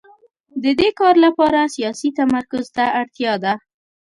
د دې کار لپاره سیاسي تمرکز ته اړتیا ده